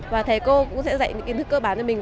và thầy cô cũng sẽ dạy những kiến thức cơ bản cho mình